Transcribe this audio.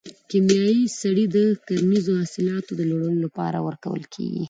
کیمیاوي سرې د کرنیزو حاصلاتو د لوړولو لپاره ورکول کیږي.